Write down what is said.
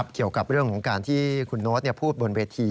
เกี่ยวกับเรื่องของการที่คุณโน๊ตพูดบนเวที